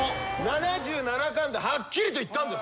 ７７巻ではっきりと言ったんです。